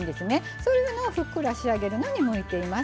そういうのをふっくら仕上げるのに向いています。